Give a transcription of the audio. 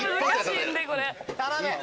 頼む！